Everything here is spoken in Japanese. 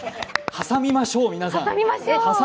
挟みましょう、皆さん。